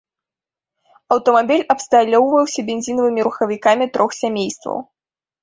Аўтамабіль абсталёўваўся бензінавымі рухавікамі трох сямействаў.